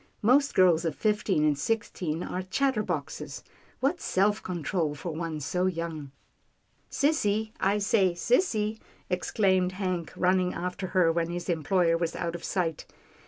" Most girls of fifteen and six teen are chatterboxes. What self control for one so young." " Sissy, I say, sissy," exclaimed Hank running after her, when his employer was out of sight.